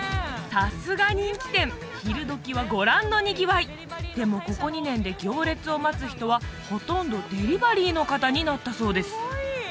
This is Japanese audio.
さすが人気店昼時はご覧のにぎわいでもここ２年で行列を待つ人はほとんどデリバリーの方になったそうです